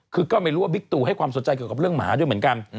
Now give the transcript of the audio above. คือก็ไม่รู้ว่าบิ๊กตูให้ความสนใจเกี่ยวกับเรื่องหมาด้วยเหมือนกัน